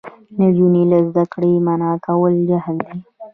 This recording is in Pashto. نجونې له زده کړې منع کول جهل دی.